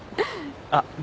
あっ僕